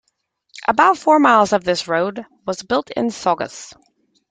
About four miles of this road was built in Saugus.